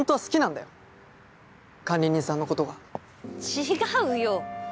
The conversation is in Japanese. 違うよ。